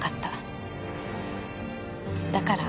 だから。